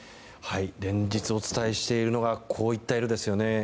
連日お伝えしているのがこういった色ですね。